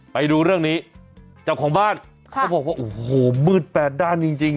ไปดูเรื่องนี้เจ้าของบ้านเขาบอกว่าโอ้โหมืดแปดด้านจริง